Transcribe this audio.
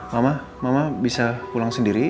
mama mama bisa pulang sendiri